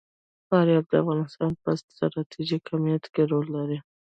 فاریاب د افغانستان په ستراتیژیک اهمیت کې رول لري.